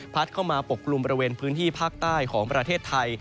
เข้ามาปกกลุ่มบริเวณพื้นที่ภาคใต้ของประเทศไทย